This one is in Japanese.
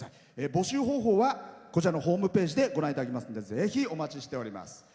募集方法はホームページでご覧いただけますのでぜひお待ちしております。